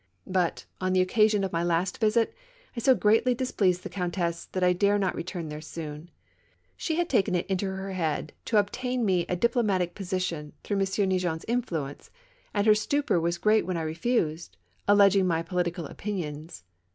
But, on the occasion of niy last visit, I so greatly displeased tlie Countess that I dare not return there soon. She had taken it into her head to obtain me a diplomatic posi tion through M. Neigeon's influence; and her stupor was great when I refused, alleging my political opinions.